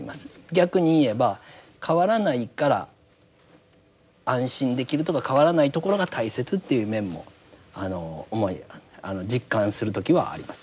逆に言えば変わらないから安心できるとか変わらないところが大切っていう面も実感する時はあります。